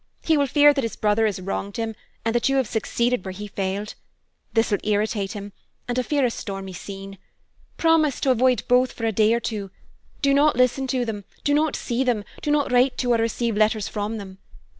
He will feel that his brother has wronged him, and that you have succeeded where he failed. This will irritate him, and I fear a stormy scene. Promise to avoid both for a day or two; do not listen to them, do not see them, do not write to or receive letters from them.